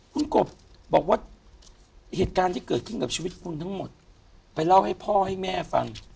คุณกบบอกว่าเหตุการณ์ที่เกิดขึ้นกับชีวิตคุณทั้งหมดไปเล่าให้พ่อให้แม่ฟัง